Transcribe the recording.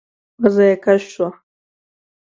پزه يې کش شوه.